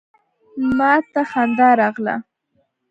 ما ته خندا راغله.